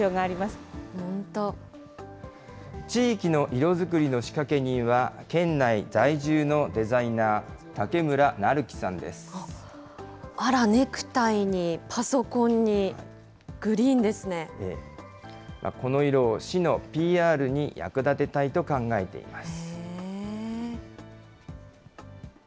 色作りの仕掛け人は、県内在住のデザイナー、竹村育貴さんであら、ネクタイにパソコンに、この色を市のＰＲに役立てたいと考えています。